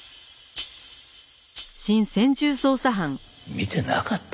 見てなかった？